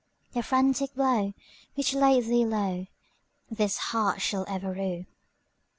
The frantic blow which laid thee lowThis heart shall ever rue."